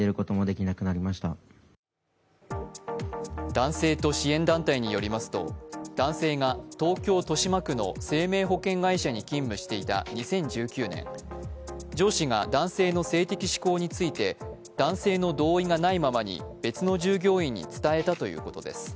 男性と支援団体によりますと男性が東京・豊島区の生命保険会社に勤務していた２０１９年、上司が男性の性的指向について男性の同意がないままに別の従業員に伝えたということです。